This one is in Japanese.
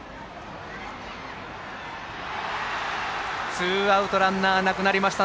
ツーアウト、ランナーがなくなりました